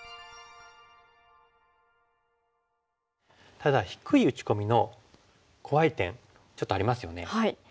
ただ低い打ち込みの怖い点ちょっとありますよね。